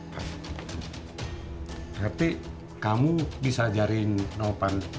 berarti kamu bisa ajarin novan